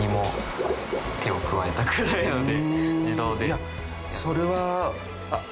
いやそれは。